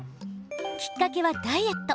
きっかけは、ダイエット。